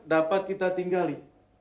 sekedar dapat kita tinggali